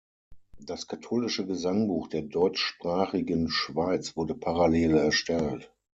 Das Katholische Gesangbuch der deutschsprachigen Schweiz wurde parallel erstellt.